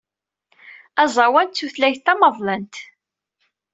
Aẓawan d tutlayt tamaḍlant.